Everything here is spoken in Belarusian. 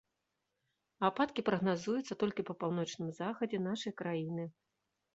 Ападкі прагназуюцца толькі па паўночным захадзе нашай краіны.